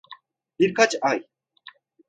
Birkaç ay.